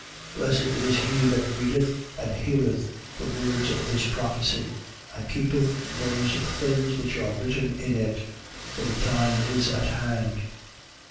1:3. Blessed is he that readeth and heareth the words of this prophecy: and keepeth those things which are written in it. For the time is at hand.